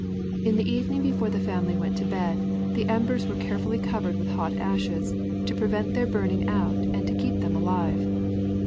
In the evening before the family went to bed, the embers were carefully covered with hot ashes to prevent their burning out and to keep them alive.